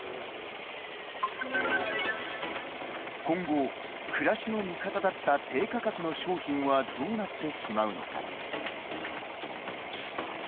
今後、暮らしの味方だった低価格の商品はどうなってしまうのか。